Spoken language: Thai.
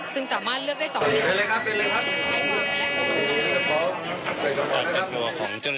ซึ่งสามารถเลือกได้สองเส้น